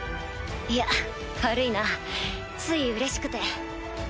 いや悪いなついうれしくて。